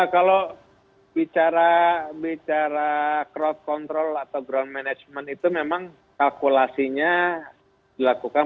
kalau bicara crowd control atau ground management itu memang kalkulasinya dilakukan